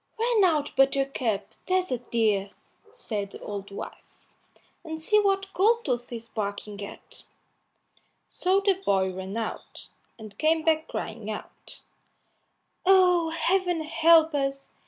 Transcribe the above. "Run out, Buttercup, there's a dear!" said the old wife, "and see what Goldtooth is barking at." So the boy ran out, and came back crying out, "Oh, Heaven help us!